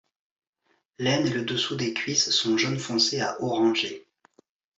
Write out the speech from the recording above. L'aine et le dessous des cuisses sont jaune foncé à orangé.